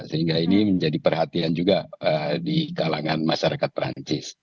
sehingga ini menjadi perhatian juga di kalangan masyarakat perancis